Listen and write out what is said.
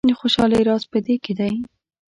د خوشحالۍ راز په دې کې دی.